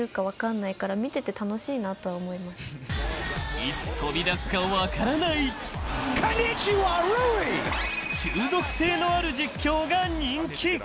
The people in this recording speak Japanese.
いつ飛び出すかわからない中毒性のある実況が人気。